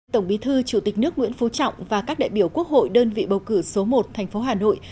tổng bí thư chủ tịch nước nguyễn phú trọng và các đại biểu quốc hội đơn vị bầu cử số một thành phố hà nội